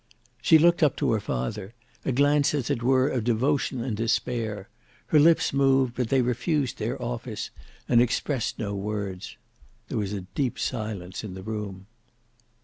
She looked up to her father; a glance as it were of devotion and despair: her lips moved, but they refused their office and expressed no words. There was a deep silence in the room.